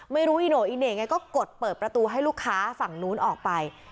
ไม่รู้อีโน่อีเหน่ไงก็กดเปิดประตูให้ลูกค้าฝั่งนู้นออกไป